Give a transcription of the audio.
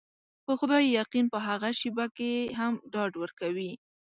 په خدای يقين په هغه شېبه کې هم ډاډ ورکوي.